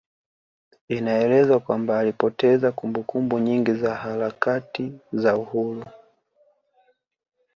Inaelezwa kwamba alipoteza kumbukumbu nyingi za harakati za Uhuru